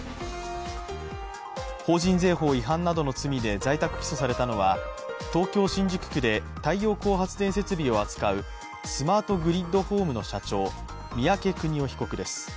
法人税法違反などの罪で在宅起訴されたのは東京・新宿区で太陽光発電設備を扱うスマートグリッドホームの社長三宅邦夫被告です。